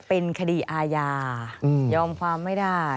เป็นคดีอาญายอมความไม่ได้